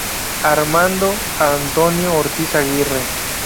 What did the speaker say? Armando Antonio Ortiz Aguirre.